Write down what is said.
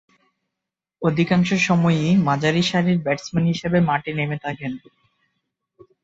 অধিকাংশ সময়ই মাঝারিসারির ব্যাটসম্যান হিসেবে মাঠে নেমে থাকেন।